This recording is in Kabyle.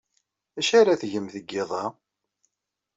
D acu ara tgem deg yiḍ-a?